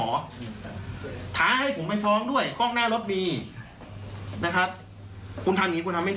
คุณทำอย่างนี้คุณทำไม่ถูกคุณตอบสังคมให้ได้แล้วกัน